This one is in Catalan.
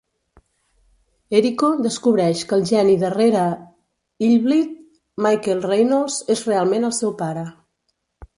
Eriko descobreix que el geni darrere Illbleed, Michael Reynolds, és realment el seu pare.